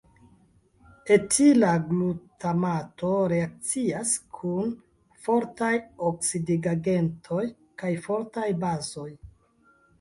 Etila glutamato reakcias kun fortaj oksidigagentoj kaj fortaj bazoj.